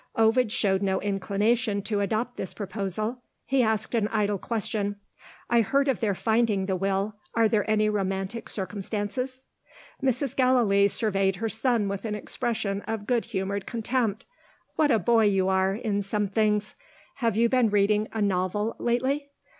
Ovid showed no inclination to adopt this proposal. He asked an idle question. "I heard of their finding the Will are there any romantic circumstances?" Mrs. Gallilee surveyed her son with an expression of good humoured contempt. "What a boy you are, in some things! Have you been reading a novel lately?